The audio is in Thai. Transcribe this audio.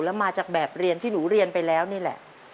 แล้วมาจากแบบเรียนที่หนูเรียนไปแล้วนี่แหละ